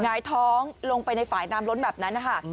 หงายท้องลงไปในฝ่ายน้ำล้นแบบนั้นนะคะ